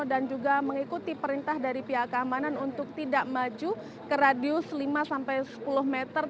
dan juga mengikuti perintah dari pihak keamanan untuk tidak maju ke radius lima sampai sepuluh meter